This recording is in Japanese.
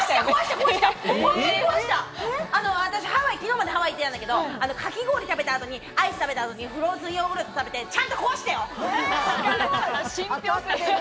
昨日までハワイに行ってたんだけど、かき氷食べた後にアイス食べた後にフローズンヨーグルト食べて、ちゃんとこわしたよ。